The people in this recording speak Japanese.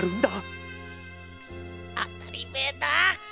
当たりめえだ！